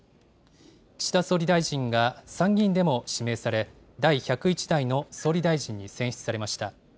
岸田総理大臣が参議院でも指名され、第１０１代の総理大臣に選出されました。